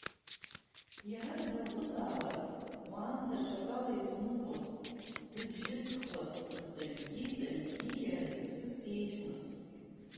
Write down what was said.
Иара дзакәызаалак, уаанӡа аҽакала изныҟәоз, дыбжьызхуаз рҵаҩгьы, ҵаҩгьы, иара иаҵкыс еиӷьмызт…